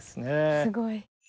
すごい。